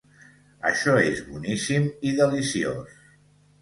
Això és boníssim i deliciós.